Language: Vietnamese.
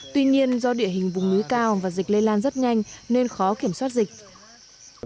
tuy nhiên do địa hình vùng núi cao và dịch lây lan rất nhanh nên khó kiểm soát dịch